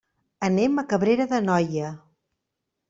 Anem a Cabrera d'Anoia.